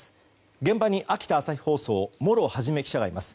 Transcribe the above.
現場に秋田朝日放送茂呂元記者がいます。